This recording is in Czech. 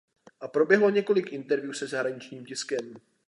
A proběhlo několik interview se zahraničním tiskem.